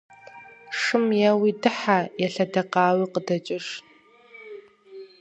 Шым еуи дыхьэ, елъэдэкъауи къыдэкӏыж.